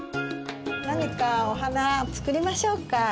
何かお花作りましょうか？